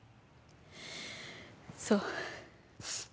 そう。